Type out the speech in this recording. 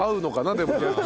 でも。